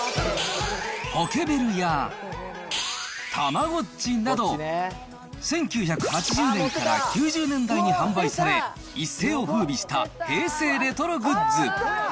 ポケベルや、たまごっちなど、１９８０年から９０年代に販売され、一世をふうびした平成レトログッズ。